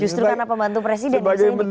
justru karena pembantu presiden yang bisa ditanya